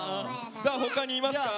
さあ他にいますか？